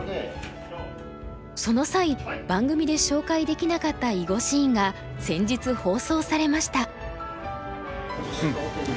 その際番組で紹介できなかった囲碁シーンが先日放送されました。